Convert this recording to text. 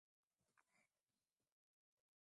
walikosoa uharibifu wa mauaji ya kimbari